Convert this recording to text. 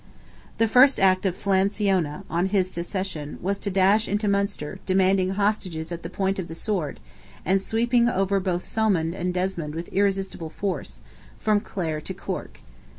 The first act of Flan Siona, on his accession, was to dash into Munster, demanding hostages at the point of the sword, and sweeping over both Thomond and Desmond with irresistible force, from Clare to Cork.